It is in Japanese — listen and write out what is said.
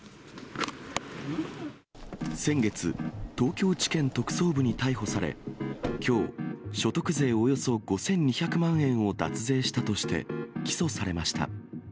先月、東京地検特捜部に逮捕され、きょう、所得税およそ５２００万円を脱税したとして、起訴されました。